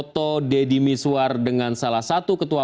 toto deddy miswar dengan salah satu ketua